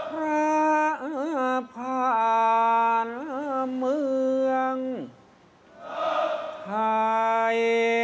อ้อบุญ